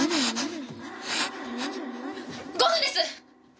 ５分です！